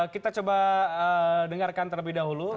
kita coba dengarkan terlebih dahulu